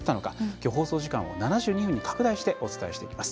きょう、放送時間を７２分に拡大してお伝えしていきます。